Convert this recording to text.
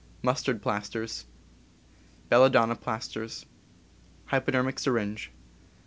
Mustard plasters. Belladonna plasters. Hypodermic sjTinge.